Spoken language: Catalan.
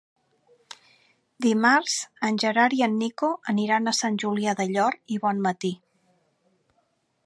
Dimarts en Gerard i en Nico aniran a Sant Julià del Llor i Bonmatí.